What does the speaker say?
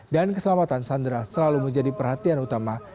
dan keselamatan sandra selalu menjadi perhatian utama